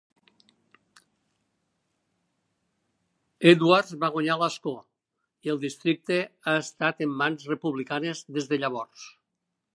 Edwards va guanyar l'escó, i el districte ha estat en mans republicanes des de llavors.